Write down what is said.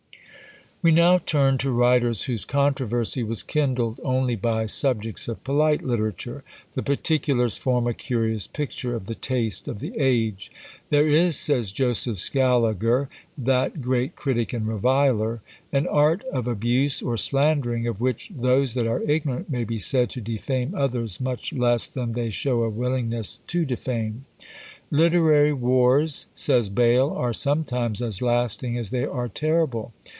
We now turn to writers whose controversy was kindled only by subjects of polite literature. The particulars form a curious picture of the taste of the age. "There is," says Joseph Scaliger, that great critic and reviler, "an art of abuse or slandering, of which those that are ignorant may be said to defame others much less than they show a willingness to defame." "Literary wars," says Bayle, "are sometimes as lasting as they are terrible."